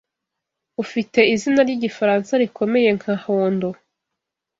ufite izina ryigifaransa rikomeye nka "Hondo